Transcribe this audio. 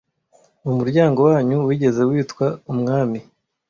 mu muryango wanyu wigeze witwa umwami